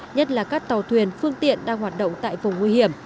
nhất là các tàu thuyền phương tiện đang hoạt động tại vùng nguy hiểm